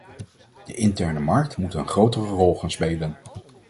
De interne markt moet een grotere rol gaan spelen.